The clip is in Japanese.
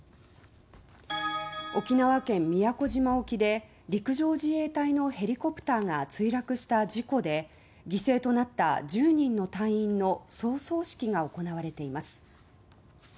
沖縄県・宮古島沖で陸上自衛隊のヘリコプターが墜落した事故で犠牲となった１０人の隊員の葬送式が行われています。